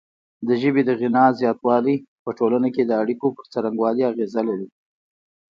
د ژبې د غنا زیاتوالی په ټولنه کې د اړیکو پر څرنګوالي اغیزه لري.